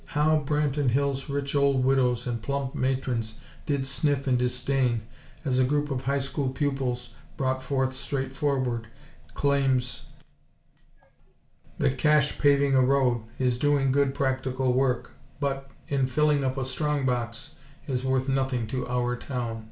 How Branton Hills' rich old widows and plump matrons did sniff in disdain as a group of High School pupils brought forth straightforward claims that cash paving a road, is doing good practical work, but, in filling up a strong box, is worth nothing to our town.